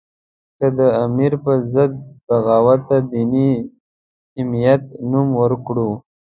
که د امیر په ضد بغاوت ته دیني حمیت نوم ورکړو.